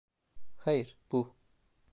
Hayır, bu...